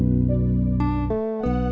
pindah dalem ya